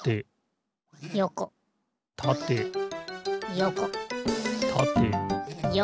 よこ。